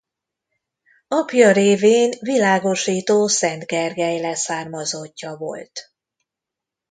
Apja révén Világosító Szent Gergely leszármazottja volt.